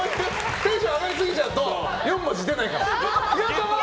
テンション上がりすぎちゃうと４文字でないから。